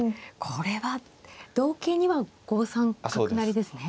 これは同桂には５三角成ですね。